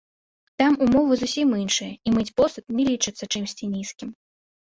Там умовы зусім іншыя, і мыць посуд не лічыцца чымсьці нізкім.